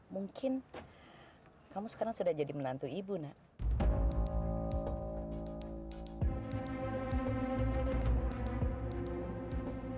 mungkin kamu sekarang sudah jadi menantu ibu nak